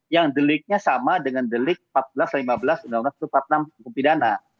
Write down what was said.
yang deliknya sama dengan delik seribu empat ratus lima belas undang undang empat puluh enam hukum pidana